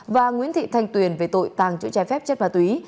và nguyễn thị thanh tuyền về tội tàng trữ trái phép chất ma túy